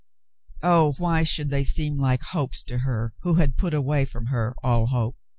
Oh, why should they seem like hopes to her who had put away from her all hope